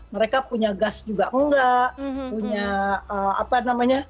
mereka punya gas juga enggak